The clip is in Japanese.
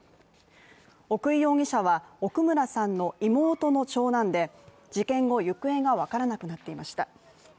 奥井容疑者は奥村さんの妹の長男で、事件後行方がわからなくなっていました。